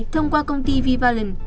thông qua công ty vivalent